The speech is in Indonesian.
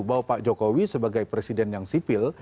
bahwa pak jokowi sebagai presiden yang sipil